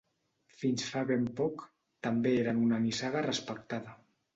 Fins fa ben poc, també eren una nissaga respectada.